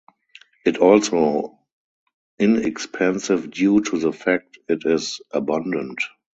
Its also inexpensive due to the fact it is abundant.